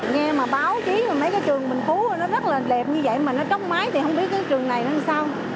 nghe mà báo chí là mấy cái trường bình phú nó rất là đẹp như vậy mà nó tróc mái thì không biết cái trường này nó sao